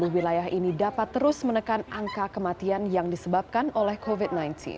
wilayah ini dapat terus menekan angka kematian yang disebabkan oleh covid sembilan belas